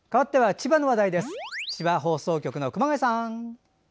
千葉放送局の熊谷さん。